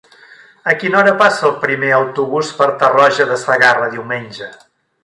A quina hora passa el primer autobús per Tarroja de Segarra diumenge?